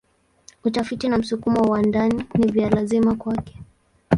Utafiti na msukumo wa ndani ni vya lazima kwake.